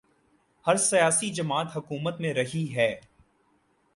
ہر سیاسی جماعت حکومت میں رہی ہے۔